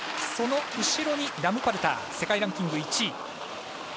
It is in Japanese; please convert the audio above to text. その後ろにラムパルター世界ランキング１位。